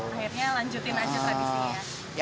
akhirnya lanjutin aja tradisinya